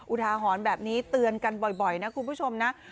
อุทาหรณ์แบบนี้เตือนกันบ่อยนะคุณผู้ชมนะ